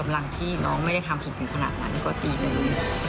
หลังที่น้องไม่ได้ทำผิดถึงขนาดนั้นก็ปีหนึ่ง